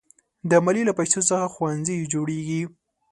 د مالیې له پیسو څخه ښوونځي جوړېږي.